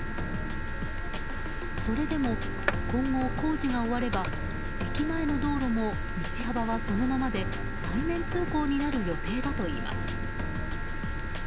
それでも、今後工事が終われば駅前の道路も道幅はそのままで対面通行になる予定だといいます。